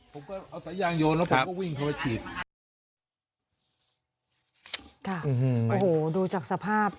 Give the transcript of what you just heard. ผมก็เอาสายยางโยนแล้วผมก็วิ่งโทรไปฉีดค่ะโอ้โหดูจากสภาพ